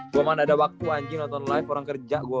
gua mah ga ada waktu anjing nonton live orang kerja gua